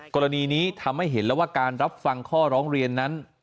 กรณีนี้ทำให้เห็นแล้วว่าการรับฟังข้อร้องเรียนนั้น